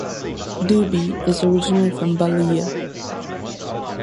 Dubey is originally from Ballia.